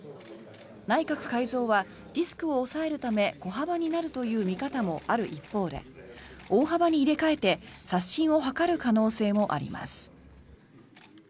内閣改造はリスクを抑えるため小幅になるという見方もある一方で大幅に入れ替えて刷新を図る可能性もあります。